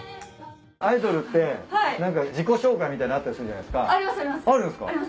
アイドルって何か自己紹介みたいなのあったりするじゃないですか。